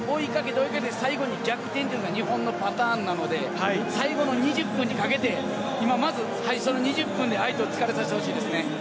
追いかけて追いかけて、最後に逆転というのが日本のパターンなので、最後の２０分にかけて、まず最初の２０分で相手を疲れさせてほしいですね。